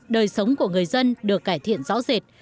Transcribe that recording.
đời sống của người dân được cải thiện rõ rệt